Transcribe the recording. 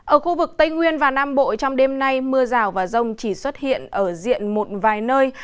ở khu vực tây nguyên và nam bộ trong đêm nay mưa rào và rông chỉ xuất hiện ở diện một vài nơi